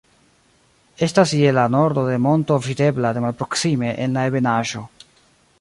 Estas je la nordo de monto videbla de malproksime en la ebenaĵo.